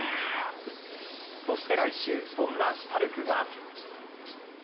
そして来週、そんなシュタルクが。